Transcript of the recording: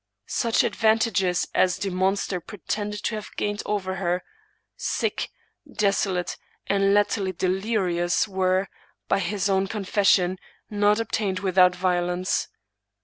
Such advantages as the monster pretended to have gained over her — ^sick, desolate, and latterly delirious — ^were, by his own confession, not obtained without violence.